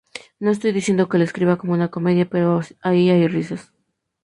No estoy diciendo que lo escriba como una comedia, pero ahí hay risas"".